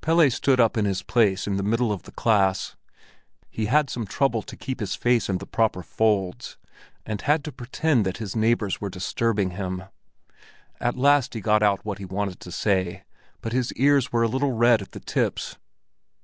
Pelle stood up in his place in the middle of the class. He had some trouble to keep his face in the proper folds, and had to pretend that his neighbors were disturbing him. At last he got out what he wanted to say, but his ears were a little red at the tips.